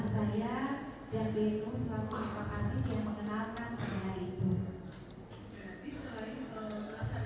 sebetulnya banyak ngobrolnya yang ada di sana ya